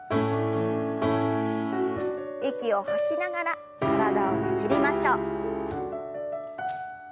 息を吐きながら体をねじりましょう。